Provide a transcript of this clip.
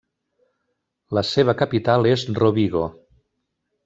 La seva capital és Rovigo.